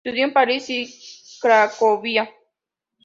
Estudió en París y Cracovia.